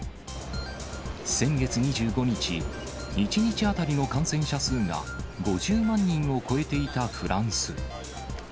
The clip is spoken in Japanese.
先月２５日、１日当たりの感染者数が５０万人を超えていたフランス。